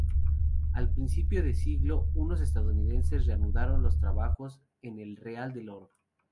A principio de siglo unos estadounidenses reanudaron los trabajos en el Real del Oro.